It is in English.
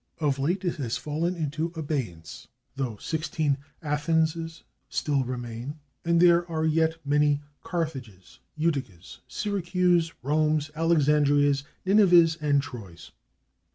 Of late it has fallen into abeyance, though sixteen /Athenses/ still remain, and there are yet many /Carthages/, /Uticas/, /Syracuses/, /Romes/, /Alexandrias/, /Ninevahs/ and /Troys